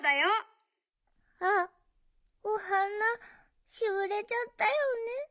あっお花しおれちゃったよね？